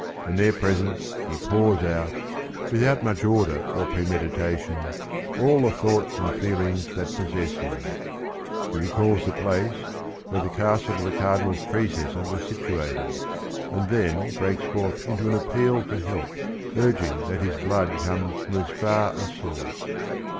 In their presence he pours out, without much order or premeditation, all the thoughts and feelings that possess him. He recalls the place where the castle of the Cardinal's ancestor was situated, and then breaks forth into an appeal for help, urging that his blood comes from as far a source.